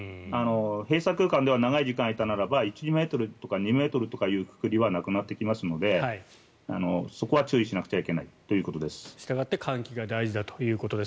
閉鎖空間では長い時間いたならば１２ｍとか２ｍというくくりはなくなってきますのでそこは注意しなくちゃいけないということです。